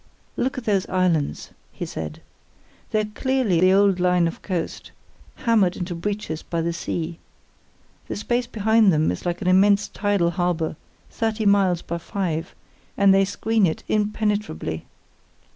"Look at those islands!" he said. "They're clearly the old line of coast, hammered into breaches by the sea. The space behind them is like an immense tidal harbour, thirty miles by five, and they screen it impenetrably.